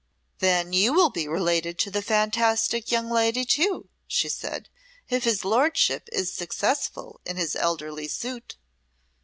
"Then you will be related to the fantastic young lady too," she said, "if his lordship is successful in his elderly suit."